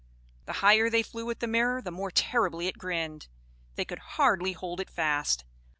The higher they flew with the mirror, the more terribly it grinned: they could hardly hold it fast.